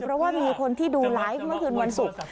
เพราะว่ามีคนที่ดูไลฟ์เมื่อคืนวันศุกร์